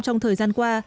trong thời gian qua